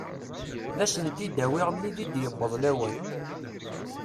D as-d-unt-awiɣ mi di d-yaweṭ lawan.